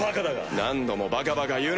何度もバカバカ言うな！